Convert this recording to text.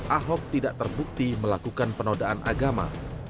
ahok tidak terbukti melakukan penodaan agama